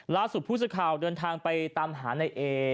ล่าสุดผู้สื่อข่าวเดินทางไปตามหาในเอ